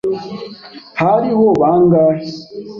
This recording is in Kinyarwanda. Hariho bangahe?